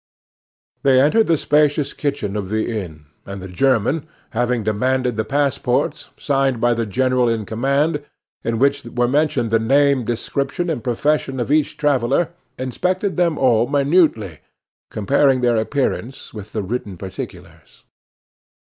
They entered the spacious kitchen of the inn, and the German, having demanded the passports signed by the general in command, in which were mentioned the name, description and profession of each traveller, inspected them all minutely, comparing their appearance with the written particulars.